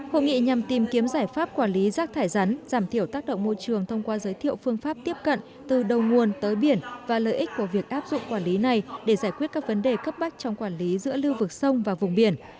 hội nghị nhằm tìm kiếm giải pháp quản lý rác thải rắn giảm thiểu tác động môi trường thông qua giới thiệu phương pháp tiếp cận từ đầu nguồn tới biển và lợi ích của việc áp dụng quản lý này để giải quyết các vấn đề cấp bách trong quản lý giữa lưu vực sông và vùng biển